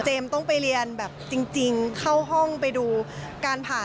ต้องไปเรียนแบบจริงเข้าห้องไปดูการผ่า